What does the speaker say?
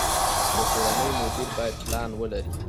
د کورنۍ مدیر باید پلان ولري.